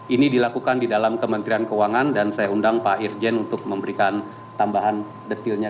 ini dilakukan di dalam kementerian keuangan dan saya undang pak irjen untuk memberikan tambahan detailnya